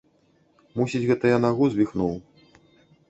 Мусіць, гэта я нагу звіхнуў.